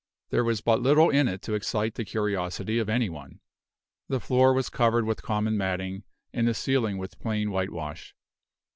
There was but little in it to excite the curiosity of any one. The floor was covered with common matting, and the ceiling with plain whitewash.